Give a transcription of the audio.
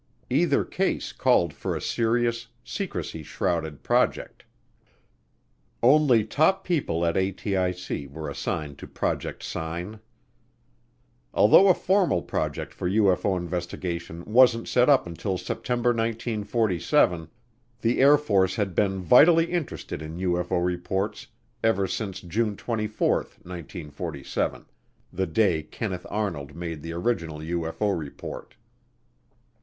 Either case called for a serious, secrecy shrouded project. Only top people at ATIC were assigned to Project Sign. Although a formal project for UFO investigation wasn't set up until September 1947, the Air Force had been vitally interested in UFO reports ever since June 24, 1947, the day Kenneth Arnold made the original UFO report.